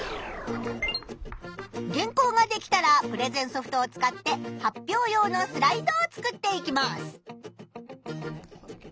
原稿ができたらプレゼンソフトを使って発表用のスライドを作っていきます。